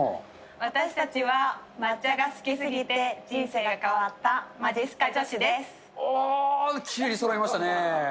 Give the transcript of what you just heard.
私たちは抹茶が好きすぎて人おー、きれいにそろいましたね。